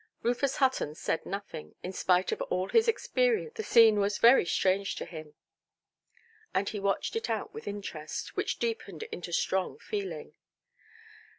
Rufus Hutton said nothing. In spite of all his experience, the scene was very strange to him; and he watched it out with interest, which deepened into strong feeling.